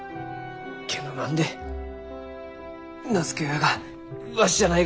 けんど何で名付け親がわしじゃないがじゃ？